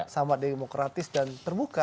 sama demokratis dan terbuka